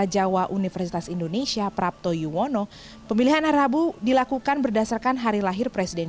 jawa universitas indonesia prapto yuwono pemilihan rabu dilakukan berdasarkan hari lahir presiden